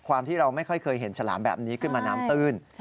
ความที่เราไม่ค่อยเคยเห็นฉลามแบบนี้ขึ้นมาน้ำตื้น